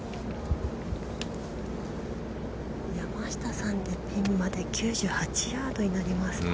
◆山下さんで、ピンまで９８ヤードになります。